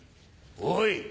おい！